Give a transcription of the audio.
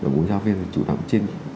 mũ giáo viên phải chủ động trên